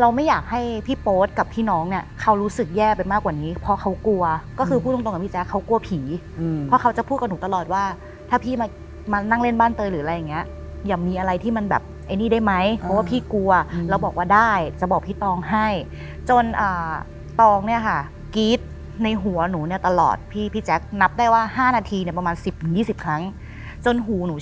เราไม่อยากให้พี่โป๊ดกับพี่น้องเนี่ยเขารู้สึกแย่ไปมากกว่านี้เพราะเขากลัวก็คือพูดตรงกับพี่แจ๊คเขากลัวผีเพราะเขาจะพูดกับหนูตลอดว่าถ้าพี่มานั่งเล่นบ้านเตยหรืออะไรอย่างเงี้ยอย่ามีอะไรที่มันแบบไอ้นี่ได้ไหมเพราะว่าพี่กลัวแล้วบอกว่าได้จะบอกพี่ตองให้จนตองเนี่ยค่ะกรี๊ดในหัวหนูเนี่ยตลอดพี่พี่แจ๊คนับได้ว่า๕นาทีเนี่ยประมาณ๑๐๒๐ครั้งจนหูหนู